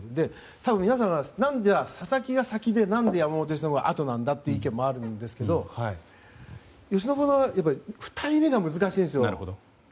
多分、皆さんが何で佐々木が先で山本由伸はあとなんだっていう意見もあるんですけど２人目が難しいんですよ。